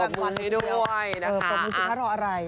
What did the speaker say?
พรบความนี้ด้วยนะคะโปรดนี้สุดถ้ารออะไร